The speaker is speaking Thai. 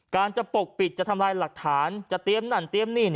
การจะปกปิดจะทำลายหลักฐานจะเตรียมนั่นเตรียมนี่